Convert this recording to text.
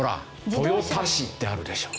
豊田市ってあるでしょ。